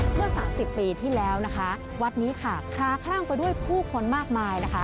เมื่อสามสิบปีที่แล้วนะคะวัดนี้ค่ะคล้าคลั่งไปด้วยผู้คนมากมายนะคะ